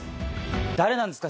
誰なんですか？